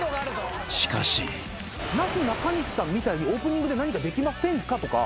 ［しかし］なすなかにしさんみたいにオープニングで何かできませんか？とか。